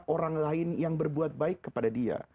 orang lain yang berbuat baik kepada dia